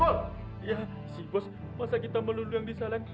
iya si bos masa kita melundang di saling